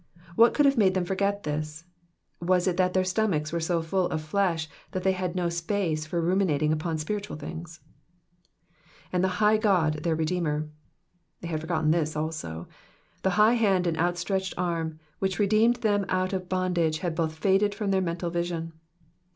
What could have made them forget this ? Was is that their stomachs were so full of flesh that they had no space for ruminating upon spiritual things ? *'''And the high Ood their redeemer, '^'^ They had forgotten this also. The high hand and outstretched arm which redeemed them out of bondage had both faded from their mental vision.